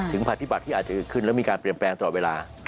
ถึงผ่านพิบัติที่อาจจะขึ้นแล้วมีการเปลี่ยนแปลงต่อเวลา